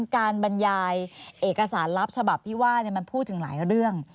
บรรยายเอกสารลับฉบับที่ว่ามันพูดถึงหลายเรื่อง